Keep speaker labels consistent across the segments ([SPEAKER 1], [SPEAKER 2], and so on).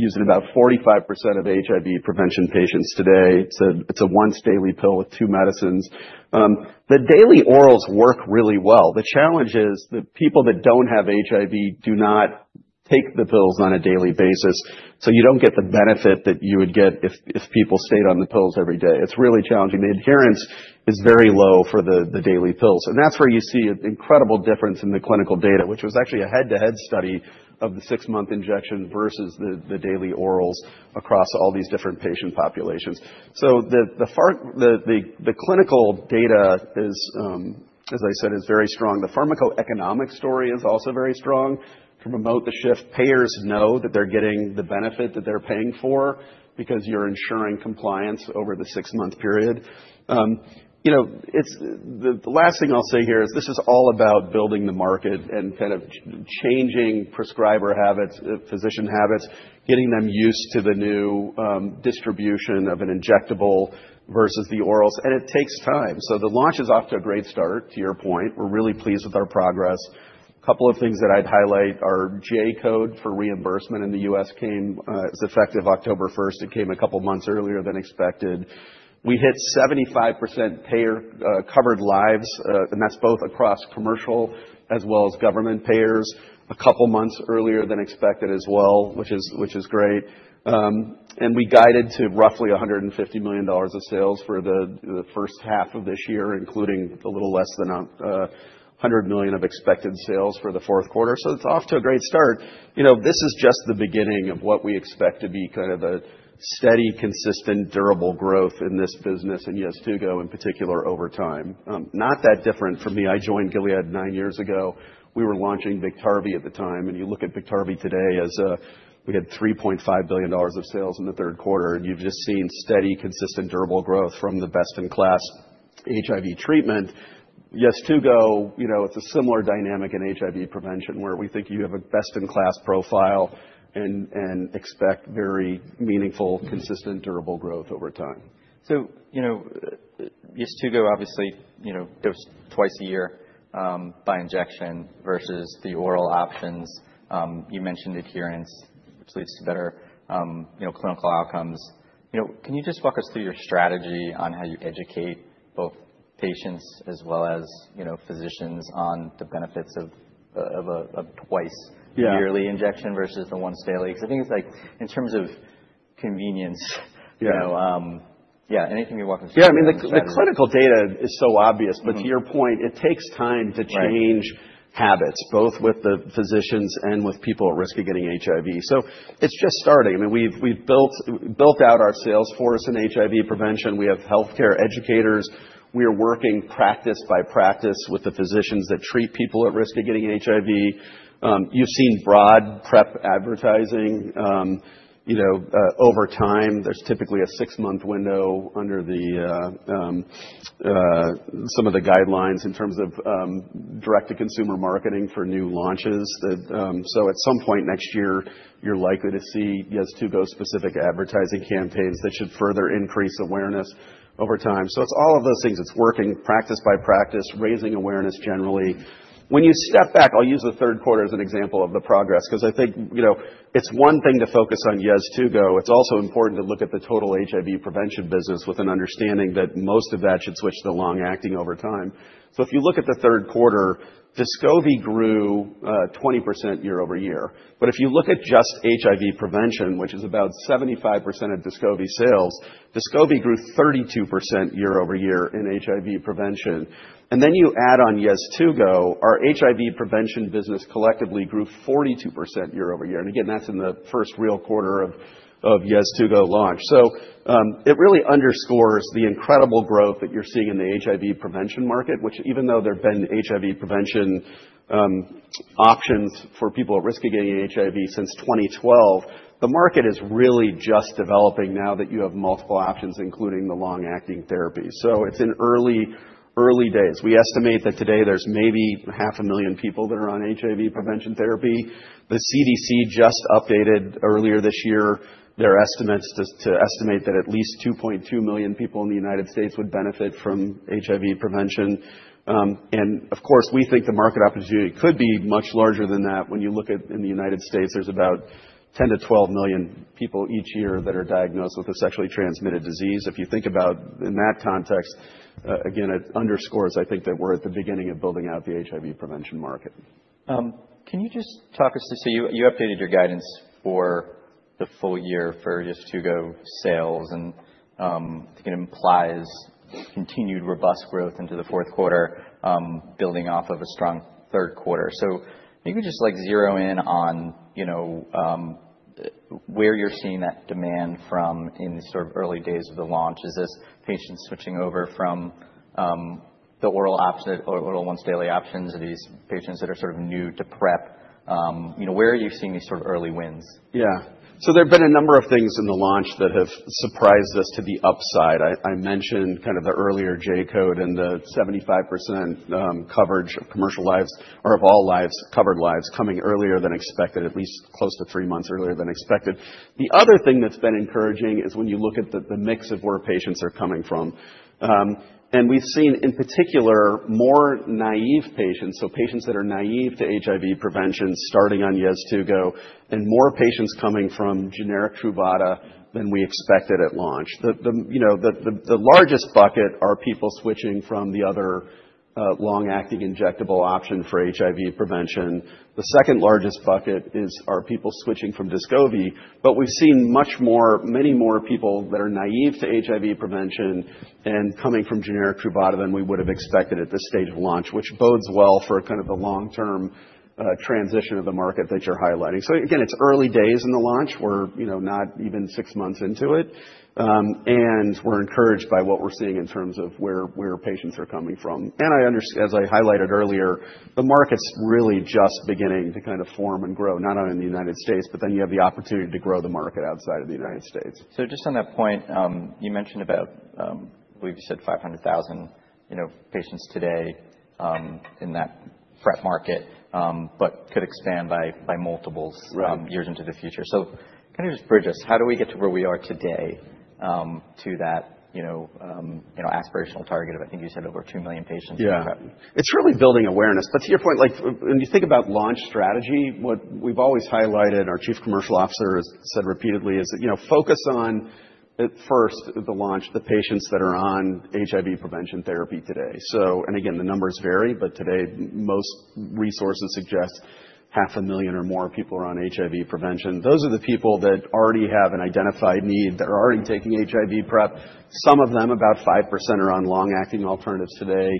[SPEAKER 1] Used in about 45% of HIV prevention patients today. It's a once-daily pill with two medicines. The daily orals work really well. The challenge is that people that don't have HIV do not take the pills on a daily basis, so you don't get the benefit that you would get if people stayed on the pills every day. It's really challenging. The adherence is very low for the daily pills. That's where you see an incredible difference in the clinical data, which was actually a head-to-head study of the six-month injection versus the daily orals across all these different patient populations. The clinical data, as I said, is very strong. The pharmacoeconomic story is also very strong to promote the shift. Payers know that they're getting the benefit that they're paying for because you're ensuring compliance over the six-month period. The last thing I'll say here is this is all about building the market and kind of changing prescriber habits, physician habits, getting them used to the new distribution of an injectable versus the orals. It takes time. The launch is off to a great start, to your point. We're really pleased with our progress. A couple of things that I'd highlight are J-code for reimbursement in the U.S. came as effective October 1. It came a couple of months earlier than expected. We hit 75% covered lives, and that's both across commercial as well as government payers a couple of months earlier than expected as well, which is great. We guided to roughly $150 million of sales for the first half of this year, including a little less than $100 million of expected sales for the fourth quarter. It's off to a great start. This is just the beginning of what we expect to be kind of a steady, consistent, durable growth in this business and Sunlenca, in particular, over time. Not that different for me. I joined Gilead nine years ago. We were launching Biktarvy at the time. You look at Biktarvy today as we had $3.5 billion of sales in the third quarter. You have just seen steady, consistent, durable growth from the best-in-class HIV treatment. Sunlenca, it is a similar dynamic in HIV prevention where we think you have a best-in-class profile and expect very meaningful, consistent, durable growth over time. YesTugo, obviously, it was twice a year by injection versus the oral options. You mentioned adherence, which leads to better clinical outcomes. Can you just walk us through your strategy on how you educate both patients as well as physicians on the benefits of a twice-yearly injection versus the once-daily? Because I think it's like in terms of convenience, yeah, anything you walk us through. Yeah. I mean, the clinical data is so obvious. To your point, it takes time to change habits, both with the physicians and with people at risk of getting HIV. It is just starting. I mean, we have built out our sales force in HIV prevention. We have healthcare educators. We are working practice by practice with the physicians that treat people at risk of getting HIV. You have seen broad PrEP advertising. Over time, there is typically a six-month window under some of the guidelines in terms of direct-to-consumer marketing for new launches. At some point next year, you are likely to see Sunlenca specific advertising campaigns that should further increase awareness over time. It is all of those things. It is working practice by practice, raising awareness generally. When you step back, I'll use the third quarter as an example of the progress because I think it's one thing to focus on Sunlenca. It's also important to look at the total HIV prevention business with an understanding that most of that should switch to the long-acting over time. If you look at the third quarter, Descovy grew 20% year over year. If you look at just HIV prevention, which is about 75% of Descovy sales, Descovy grew 32% year over year in HIV prevention. You add on Sunlenca, our HIV prevention business collectively grew 42% year over year. Again, that's in the first real quarter of Sunlenca launch. It really underscores the incredible growth that you're seeing in the HIV prevention market, which even though there have been HIV prevention options for people at risk of getting HIV since 2012, the market is really just developing now that you have multiple options, including the long-acting therapy. It's in early days. We estimate that today there's maybe 500,000 people that are on HIV prevention therapy. The CDC just updated earlier this year their estimates to estimate that at least 2.2 million people in the United States would benefit from HIV prevention. Of course, we think the market opportunity could be much larger than that. When you look at in the United States, there's about 10-12 million people each year that are diagnosed with a sexually transmitted disease. If you think about in that context, again, it underscores, I think, that we're at the beginning of building out the HIV prevention market. Can you just talk us through, you updated your guidance for the full year for Sunlenca sales. I think it implies continued robust growth into the fourth quarter, building off of a strong third quarter. Maybe just zero in on where you're seeing that demand from in these early days of the launch. Is this patients switching over from the oral once-daily options or these patients that are new to PrEP? Where are you seeing these early wins? Yeah. There have been a number of things in the launch that have surprised us to the upside. I mentioned kind of the earlier J-code and the 75% coverage of commercial lives or of all lives, covered lives, coming earlier than expected, at least close to three months earlier than expected. The other thing that's been encouraging is when you look at the mix of where patients are coming from. We've seen, in particular, more naive patients, so patients that are naive to HIV prevention starting on Sunlenca and more patients coming from generic Truvada than we expected at launch. The largest bucket are people switching from the other long-acting injectable option for HIV prevention. The second largest bucket is people switching from Descovy. We have seen many more people that are naive to HIV prevention and coming from generic Truvada than we would have expected at this stage of launch, which bodes well for kind of the long-term transition of the market that you are highlighting. Again, it is early days in the launch. We are not even six months into it. We are encouraged by what we are seeing in terms of where patients are coming from. As I highlighted earlier, the market is really just beginning to kind of form and grow, not only in the United States, but then you have the opportunity to grow the market outside of the United States. Just on that point, you mentioned about, I believe you said, 500,000 patients today in that PrEP market, but could expand by multiples years into the future. Kind of just bridge us. How do we get to where we are today to that aspirational target of, I think you said, over 2 million patients? Yeah. It's really building awareness. To your point, when you think about launch strategy, what we've always highlighted, our Chief Commercial Officer has said repeatedly, is focus on, at first, the launch, the patients that are on HIV prevention therapy today. Again, the numbers vary. Today, most resources suggest 500,000 or more people are on HIV prevention. Those are the people that already have an identified need, that are already taking HIV PrEP. Some of them, about 5%, are on long-acting alternatives today.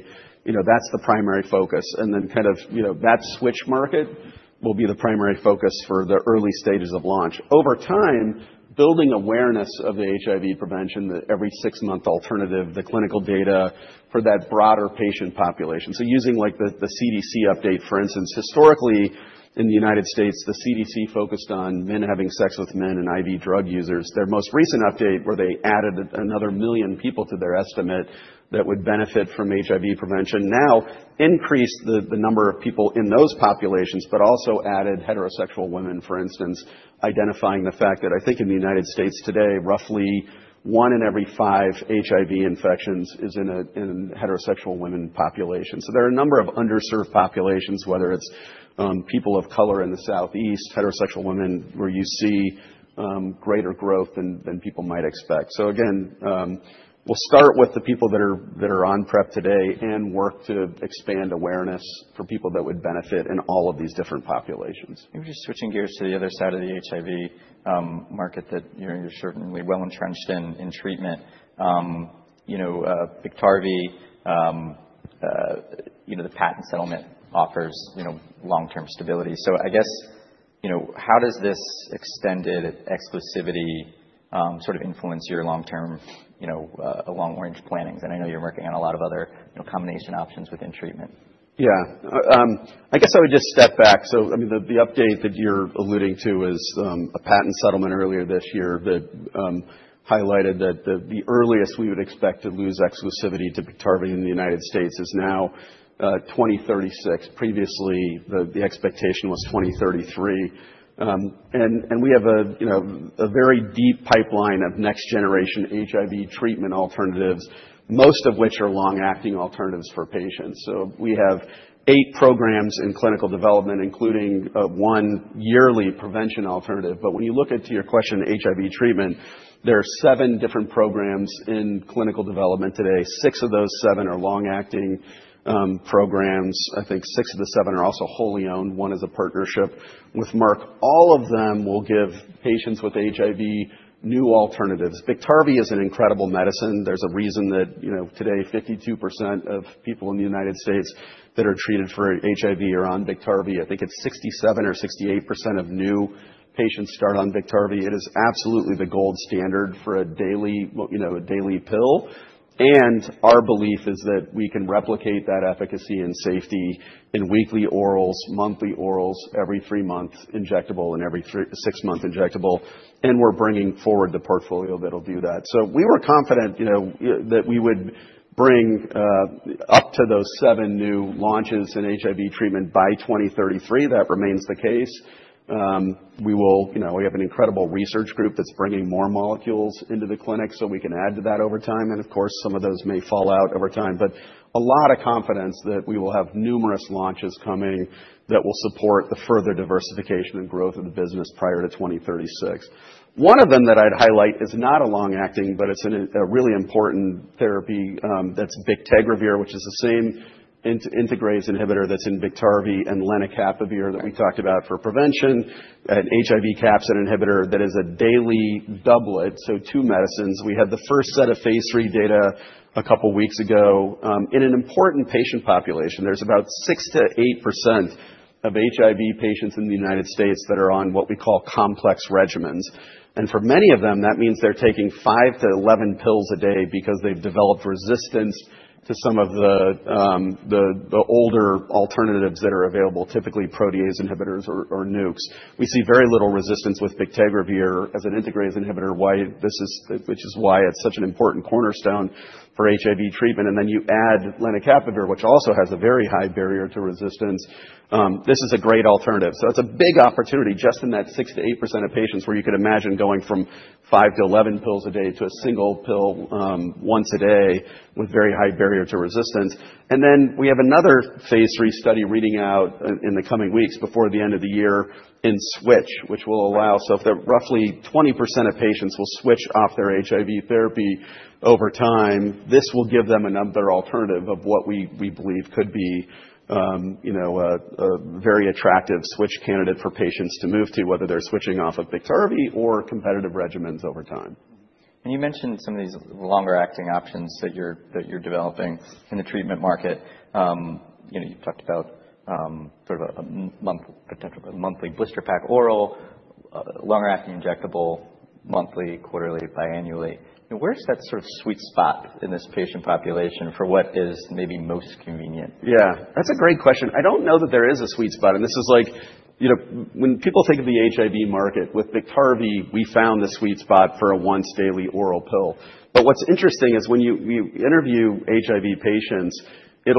[SPEAKER 1] That's the primary focus. That switch market will be the primary focus for the early stages of launch. Over time, building awareness of the HIV prevention, the every six-month alternative, the clinical data for that broader patient population. Using the CDC update, for instance, historically, in the United States, the CDC focused on men having sex with men and IV drug users. Their most recent update where they added another million people to their estimate that would benefit from HIV prevention now increased the number of people in those populations, but also added heterosexual women, for instance, identifying the fact that I think in the United States today, roughly one in every five HIV infections is in a heterosexual women population. There are a number of underserved populations, whether it's people of color in the Southeast, heterosexual women, where you see greater growth than people might expect. Again, we'll start with the people that are on PrEP today and work to expand awareness for people that would benefit in all of these different populations. Maybe just switching gears to the other side of the HIV market that you're certainly well entrenched in treatment. Biktarvy, the patent settlement offers long-term stability. I guess, how does this extended exclusivity sort of influence your long-term long-range plannings? I know you're working on a lot of other combination options within treatment. Yeah. I guess I would just step back. I mean, the update that you're alluding to is a patent settlement earlier this year that highlighted that the earliest we would expect to lose exclusivity to Biktarvy in the United States is now 2036. Previously, the expectation was 2033. We have a very deep pipeline of next-generation HIV treatment alternatives, most of which are long-acting alternatives for patients. We have eight programs in clinical development, including one yearly prevention alternative. When you look into your question on HIV treatment, there are seven different programs in clinical development today. Six of those seven are long-acting programs. I think six of the seven are also wholly owned. One is a partnership with Merck. All of them will give patients with HIV new alternatives. Biktarvy is an incredible medicine. There's a reason that today 52% of people in the United States that are treated for HIV are on Biktarvy. I think it's 67% or 68% of new patients start on Biktarvy. It is absolutely the gold standard for a daily pill. Our belief is that we can replicate that efficacy and safety in weekly orals, monthly orals, every three months injectable, and every six months injectable. We are bringing forward the portfolio that'll do that. We were confident that we would bring up to those seven new launches in HIV treatment by 2033. That remains the case. We have an incredible research group that's bringing more molecules into the clinic so we can add to that over time. Of course, some of those may fall out over time. A lot of confidence that we will have numerous launches coming that will support the further diversification and growth of the business prior to 2036. One of them that I'd highlight is not a long-acting, but it's a really important therapy that's Bictegravir, which is the same integrase inhibitor that's in Biktarvy and Lenacapavir that we talked about for prevention, an HIV capsid inhibitor that is a daily doublet, so two medicines. We had the first set of phase three data a couple of weeks ago in an important patient population. There's about 6%-8% of HIV patients in the United States that are on what we call complex regimens. For many of them, that means they're taking five-11 pills a day because they've developed resistance to some of the older alternatives that are available, typically protease inhibitors or nukes. We see very little resistance with Bictegravir as an integrase inhibitor, which is why it's such an important cornerstone for HIV treatment. You add Lenacapavir, which also has a very high barrier to resistance. This is a great alternative. It is a big opportunity just in that 6%-8% of patients where you could imagine going from five-11 pills a day to a single pill once a day with very high barrier to resistance. We have another phase three study reading out in the coming weeks before the end of the year in Switch, which will allow so if roughly 20% of patients will switch off their HIV therapy over time, this will give them another alternative of what we believe could be a very attractive switch candidate for patients to move to, whether they're switching off of Biktarvy or competitive regimens over time. You mentioned some of these longer-acting options that you're developing in the treatment market. You've talked about sort of a monthly blister pack oral, longer-acting injectable, monthly, quarterly, biannually. Where's that sort of sweet spot in this patient population for what is maybe most convenient? Yeah. That's a great question. I don't know that there is a sweet spot. This is like when people think of the HIV market with Biktarvy, we found the sweet spot for a once-daily oral pill. What's interesting is when we interview HIV patients, they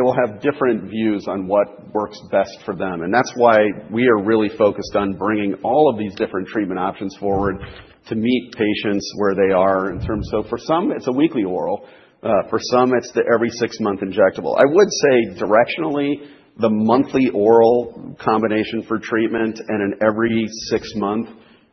[SPEAKER 1] will have different views on what works best for them. That's why we are really focused on bringing all of these different treatment options forward to meet patients where they are in terms of, for some, it's a weekly oral. For some, it's the every six-month injectable. I would say directionally, the monthly oral combination for treatment and an every six-month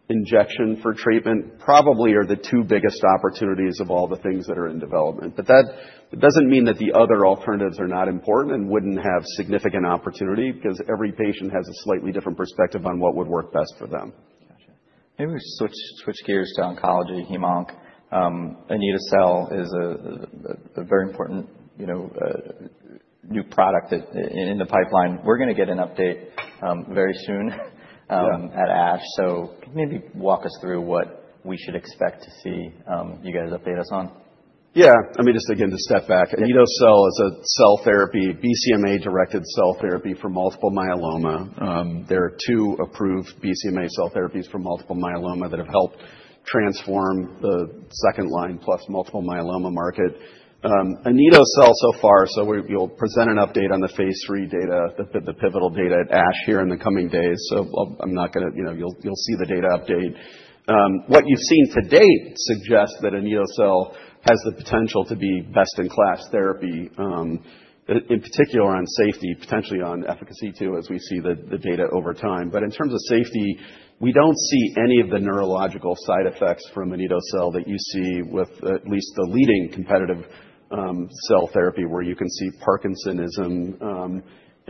[SPEAKER 1] injection for treatment probably are the two biggest opportunities of all the things that are in development. That doesn't mean that the other alternatives are not important and wouldn't have significant opportunity because every patient has a slightly different perspective on what would work best for them. Gotcha. Maybe we switch gears to oncology, hem/onc, Anito-cel is a very important new product in the pipeline. We're going to get an update very soon at ASH. Maybe walk us through what we should expect to see you guys update us on. Yeah. I mean, just again, to step back, Anito-cel is a cell therapy, BCMA-directed cell therapy for multiple myeloma. There are two approved BCMA cell therapies for multiple myeloma that have helped transform the second-line plus multiple myeloma market. Anito-cel so far, so you'll present an update on the phase three data, the pivotal data at ASH here in the coming days. I'm not going to, you'll see the data update. What you've seen to date suggests that Anito-cel has the potential to be best-in-class therapy, in particular on safety, potentially on efficacy too, as we see the data over time. In terms of safety, we don't see any of the neurological side effects from Anito-cel that you see with at least the leading competitive cell therapy where you can see Parkinsonism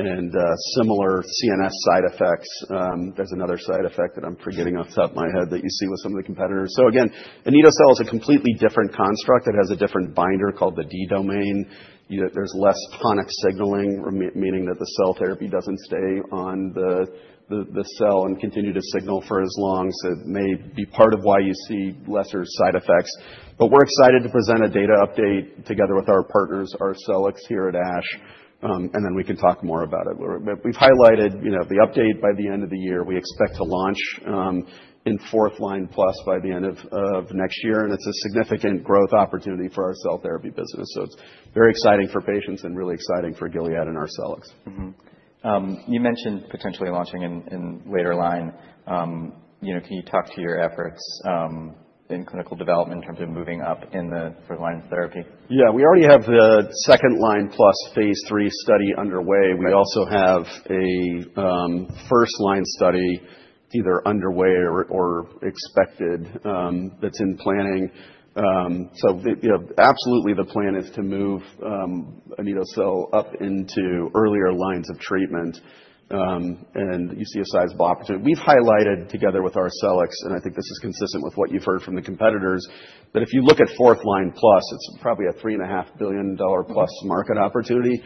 [SPEAKER 1] and similar CNS side effects. There's another side effect that I'm forgetting off the top of my head that you see with some of the competitors. Anito-cel is a completely different construct. It has a different binder called the D-domain. There's less tonic signaling, meaning that the cell therapy doesn't stay on the cell and continue to signal for as long. It may be part of why you see lesser side effects. We're excited to present a data update together with our partners, Arcellx, here at ASH, and then we can talk more about it. We've highlighted the update by the end of the year. We expect to launch in fourth-line plus by the end of next year. It's a significant growth opportunity for our cell therapy business. It's very exciting for patients and really exciting for Gilead and Arcellx. You mentioned potentially launching in later line. Can you talk to your efforts in clinical development in terms of moving up in the first line of therapy? Yeah. We already have the second-line plus phase three study underway. We also have a first-line study either underway or expected that's in planning. Absolutely, the plan is to move Anito-cel up into earlier lines of treatment. You see a sizable opportunity. We've highlighted together with Arcellx, and I think this is consistent with what you've heard from the competitors, that if you look at fourth-line plus, it's probably a $3.5 billion+ market opportunity.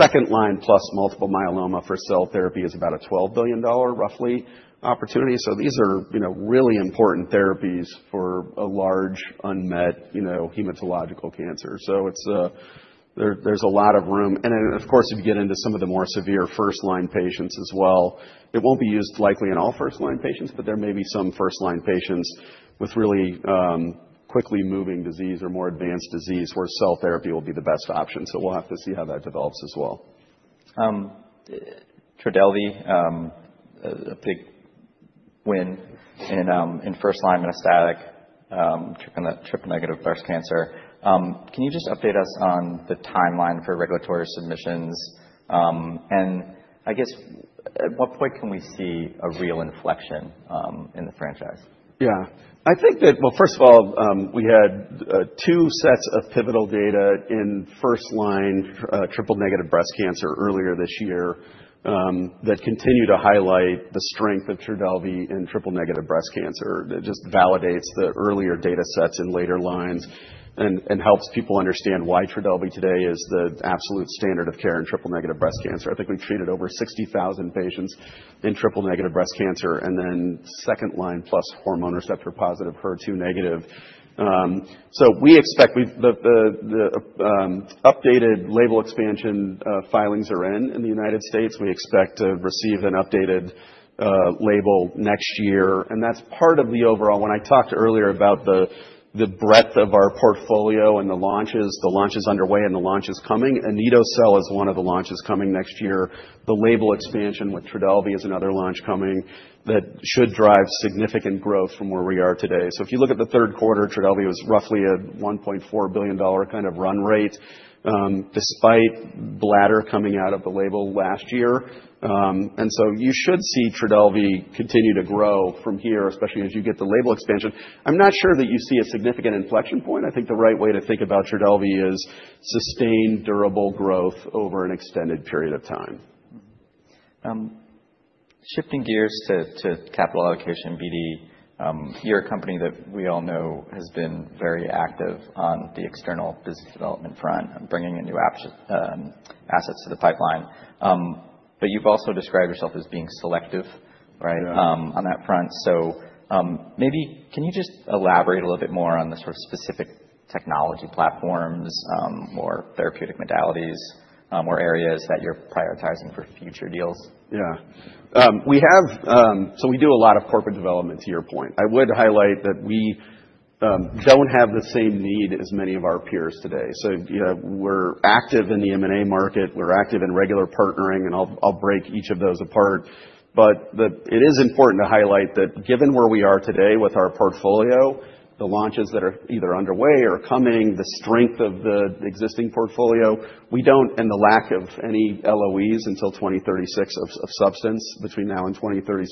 [SPEAKER 1] Second-line plus multiple myeloma for cell therapy is about a $12 billion roughly opportunity. These are really important therapies for a large unmet hematological cancer. There's a lot of room. If you get into some of the more severe first-line patients as well, it won't be used likely in all first-line patients, but there may be some first-line patients with really quickly moving disease or more advanced disease where cell therapy will be the best option. We will have to see how that develops as well. Trodelvy, a big win in first-line metastatic triple- breast cancer. Can you just update us on the timeline for regulatory submissions? I guess, at what point can we see a real inflection in the franchise? Yeah. I think that, first of all, we had two sets of pivotal data in first line triple-negative breast cancer earlier this year that continue to highlight the strength of Trodelvy in triple-negative breast cancer. It just validates the earlier data sets in later lines and helps people understand why Trodelvy today is the absolute standard of care in triple-negative breast cancer. I think we've treated over 60,000 patients in triple-negative breast cancer and then second line plus hormone receptor positive, HER2 negative. We expect the updated label expansion filings are in in the United States. We expect to receive an updated label next year. That is part of the overall when I talked earlier about the breadth of our portfolio and the launches, the launch is underway and the launch is coming. Anito-cel is one of the launches coming next year. The label expansion with Trodelvy is another launch coming that should drive significant growth from where we are today. If you look at the third quarter, Trodelvy was roughly a $1.4 billion kind of run rate despite bladder coming out of the label last year. You should see Trodelvy continue to grow from here, especially as you get the label expansion. I'm not sure that you see a significant inflection point. I think the right way to think about Trodelvy is sustained durable growth over an extended period of time. Shifting gears to capital allocation, BD, you're a company that we all know has been very active on the external business development front and bringing in new assets to the pipeline. You've also described yourself as being selective, right, on that front. Maybe can you just elaborate a little bit more on the sort of specific technology platforms or therapeutic modalities or areas that you're prioritizing for future deals? Yeah. We do a lot of corporate development to your point. I would highlight that we do not have the same need as many of our peers today. We are active in the M&A market. We are active in regular partnering. I will break each of those apart. It is important to highlight that given where we are today with our portfolio, the launches that are either underway or coming, the strength of the existing portfolio, and the lack of any LOEs of substance between now and 2036,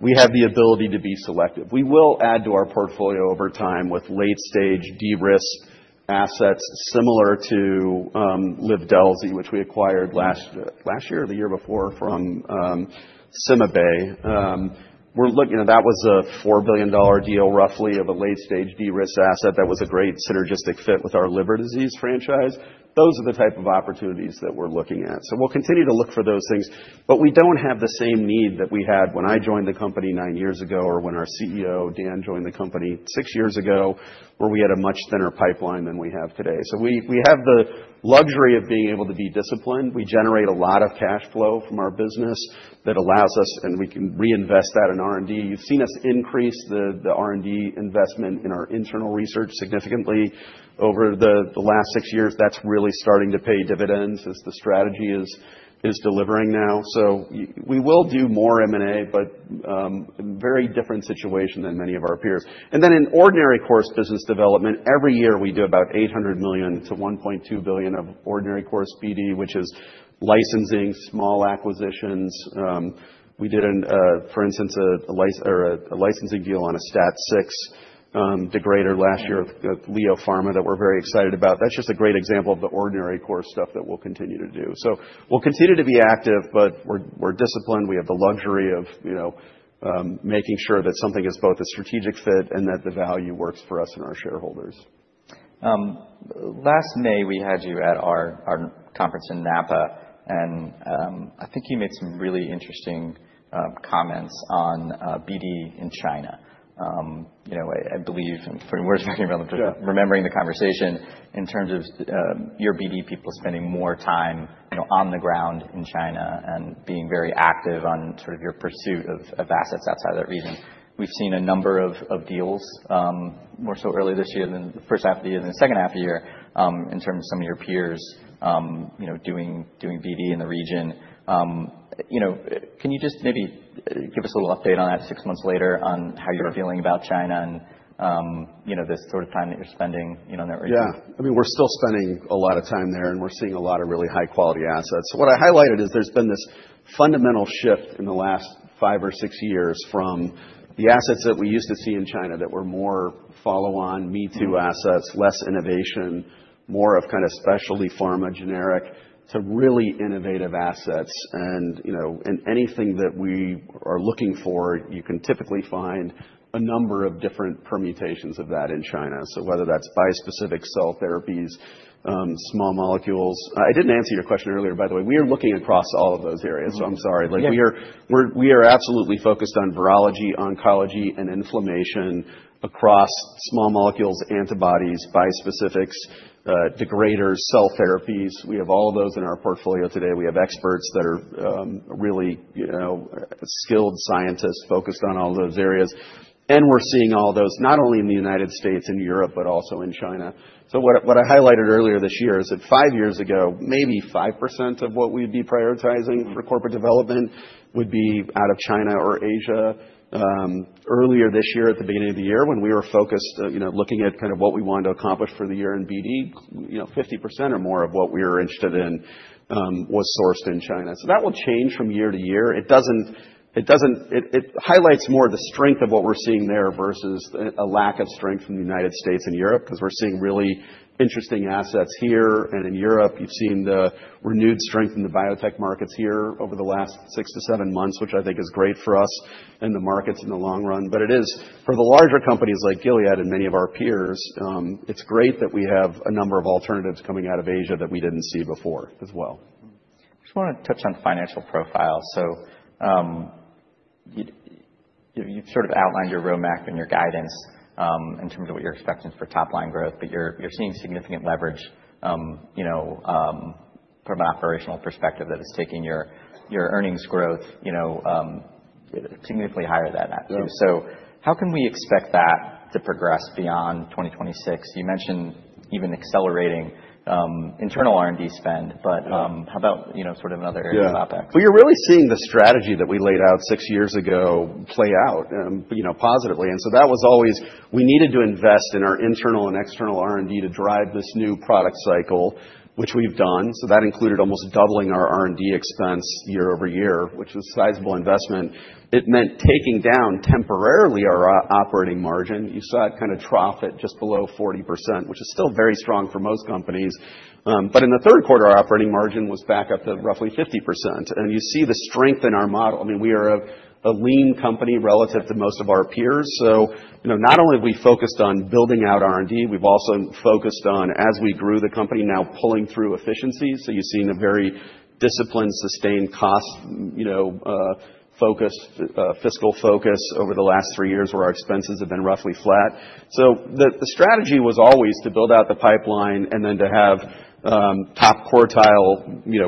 [SPEAKER 1] we have the ability to be selective. We will add to our portfolio over time with late-stage de-risked assets similar to Livdelzi, which we acquired last year or the year before from CymaBay. That was a $4 billion deal roughly of a late-stage de-risked asset that was a great synergistic fit with our liver disease franchise. Those are the type of opportunities that we're looking at. We will continue to look for those things. We do not have the same need that we had when I joined the company nine years ago or when our CEO, Dan, joined the company six years ago where we had a much thinner pipeline than we have today. We have the luxury of being able to be disciplined. We generate a lot of cash flow from our business that allows us, and we can reinvest that in R&D. You have seen us increase the R&D investment in our internal research significantly over the last six years. That is really starting to pay dividends as the strategy is delivering now. We will do more M&A, but a very different situation than many of our peers. In ordinary course business development, every year we do about $800 million-$1.2 billion of ordinary course BD, which is licensing, small acquisitions. We did, for instance, a licensing deal on a STAT6 degrader last year with Leo Pharma that we're very excited about. That's just a great example of the ordinary course stuff that we'll continue to do. We'll continue to be active, but we're disciplined. We have the luxury of making sure that something is both a strategic fit and that the value works for us and our shareholders. Last May, we had you at our conference in Napa. I think you made some really interesting comments on BD in China. I believe, and we're talking about remembering the conversation in terms of your BD people spending more time on the ground in China and being very active on sort of your pursuit of assets outside of that region. We've seen a number of deals more so early this year than the first half of the year than the second half of the year in terms of some of your peers doing BD in the region. Can you just maybe give us a little update on that six months later on how you're feeling about China and this sort of time that you're spending in that region? Yeah. I mean, we're still spending a lot of time there, and we're seeing a lot of really high-quality assets. What I highlighted is there's been this fundamental shift in the last five or six years from the assets that we used to see in China that were more follow-on, me-too assets, less innovation, more of kind of specialty pharma generic to really innovative assets. Anything that we are looking for, you can typically find a number of different permutations of that in China. Whether that's bispecific cell therapies, small molecules. I didn't answer your question earlier, by the way. We are looking across all of those areas. I'm sorry. We are absolutely focused on virology, oncology, and inflammation across small molecules, antibodies, bispecifics, degraders, cell therapies. We have all of those in our portfolio today. We have experts that are really skilled scientists focused on all of those areas. We are seeing all those not only in the United States and Europe, but also in China. What I highlighted earlier this year is that five years ago, maybe 5% of what we would be prioritizing for corporate development would be out of China or Asia. Earlier this year, at the beginning of the year, when we were focused looking at kind of what we wanted to accomplish for the year in BD, 50% or more of what we were interested in was sourced in China. That will change from year to year. It highlights more the strength of what we are seeing there versus a lack of strength from the United States and Europe because we are seeing really interesting assets here and in Europe. You've seen the renewed strength in the biotech markets here over the last six to seven months, which I think is great for us and the markets in the long run. It is for the larger companies like Gilead and many of our peers, it's great that we have a number of alternatives coming out of Asia that we didn't see before as well. I just want to touch on financial profile. You have sort of outlined your roadmap and your guidance in terms of what you are expecting for top-line growth, but you are seeing significant leverage from an operational perspective that is taking your earnings growth significantly higher than that too. How can we expect that to progress beyond 2026? You mentioned even accelerating internal R&D spend, but how about in other areas of OpEx? Yeah. We are really seeing the strategy that we laid out six years ago play out positively. That was always we needed to invest in our internal and external R&D to drive this new product cycle, which we've done. That included almost doubling our R&D expense year over year, which was a sizable investment. It meant taking down temporarily our operating margin. You saw it kind of trough at just below 40%, which is still very strong for most companies. In the third quarter, our operating margin was back up to roughly 50%. You see the strength in our model. I mean, we are a lean company relative to most of our peers. Not only have we focused on building out R&D, we've also focused on, as we grew the company, now pulling through efficiencies. You have seen a very disciplined, sustained cost-focused fiscal focus over the last three years where our expenses have been roughly flat. The strategy was always to build out the pipeline and then to have top quartile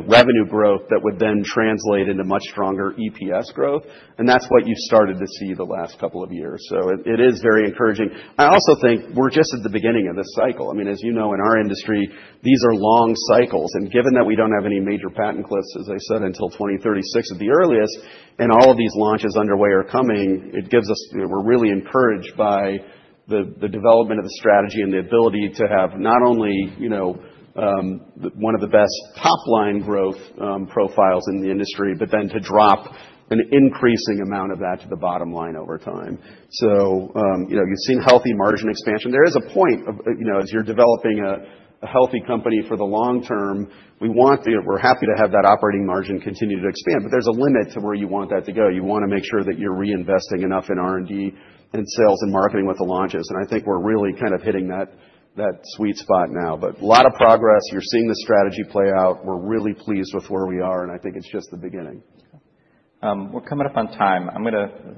[SPEAKER 1] revenue growth that would then translate into much stronger EPS growth. That is what you have started to see the last couple of years. It is very encouraging. I also think we are just at the beginning of this cycle. I mean, as you know, in our industry, these are long cycles. Given that we do not have any major patent clips, as I said, until 2036 at the earliest, and all of these launches underway are coming, it gives us—we are really encouraged by the development of the strategy and the ability to have not only one of the best top-line growth profiles in the industry, but then to drop an increasing amount of that to the bottom line over time. You have seen healthy margin expansion. There is a point as you are developing a healthy company for the long term, we are happy to have that operating margin continue to expand. There is a limit to where you want that to go. You want to make sure that you are reinvesting enough in R&D and sales and marketing with the launches. I think we are really kind of hitting that sweet spot now. A lot of progress. You're seeing the strategy play out. We're really pleased with where we are. I think it's just the beginning. We're coming up on time. I'm going to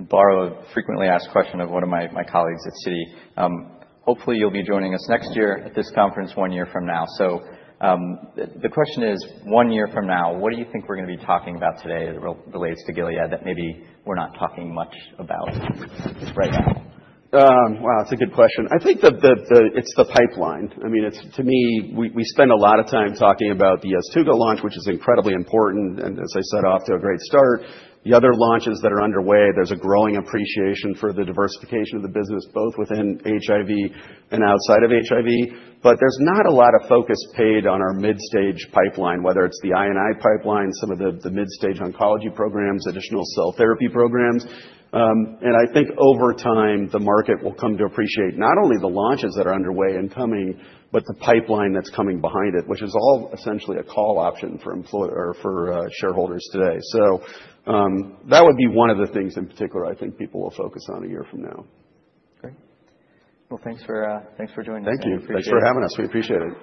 [SPEAKER 1] borrow a frequently asked question of one of my colleagues at Citi. Hopefully, you'll be joining us next year at this conference one year from now. The question is, one year from now, what do you think we're going to be talking about today that relates to Gilead that maybe we're not talking much about right now? Wow, that's a good question. I think it's the pipeline. I mean, to me, we spend a lot of time talking about the Sunlenca launch, which is incredibly important. As I said, off to a great start. The other launches that are underway, there's a growing appreciation for the diversification of the business both within HIV and outside of HIV. There's not a lot of focus paid on our mid-stage pipeline, whether it's the I&I pipeline, some of the mid-stage oncology programs, additional cell therapy programs. I think over time, the market will come to appreciate not only the launches that are underway and coming, but the pipeline that's coming behind it, which is all essentially a call option for shareholders today. That would be one of the things in particular I think people will focus on a year from now. Great. Thanks for joining us. Thank you. Thanks for having us. We appreciate it.